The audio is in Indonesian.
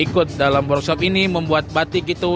yang ikut dalam workshop ini membuat batik gitu